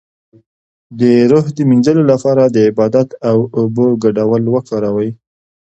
د روح د مینځلو لپاره د عبادت او اوبو ګډول وکاروئ